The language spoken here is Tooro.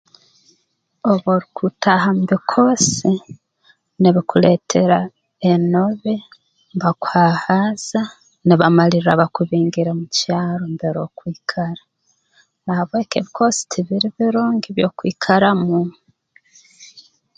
Obu orukutaaha mu bikoosi nibikuleetera enobe mbakuhaahaaza nibamalirra bakubingire mu kyaro mbere okwikara na habw'eki ebikoosi tibiri birungi by'okwikaramu